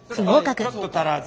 ちょっと足らず。